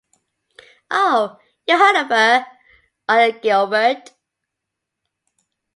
Oh, you've heard of her — Arya Gilbert.